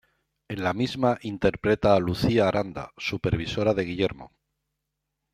En la misma interpreta a Lucía Aranda, supervisora de Guillermo.